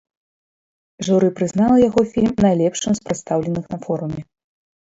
Журы прызнала яго фільм найлепшым з прадстаўленых на форуме.